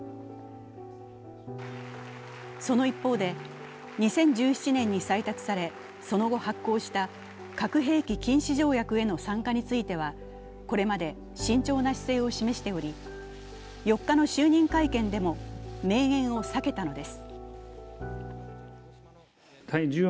その一方で、２０１７年に採択されその後発効した核兵器禁止条約への参加についてはこれまで慎重な姿勢を示しており４日の就任会見でも明言を避けたのです。